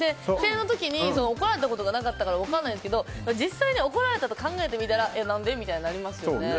怒られたことがないから分からないんですけど実際に怒られたと考えてみたらなんで？となりますよね。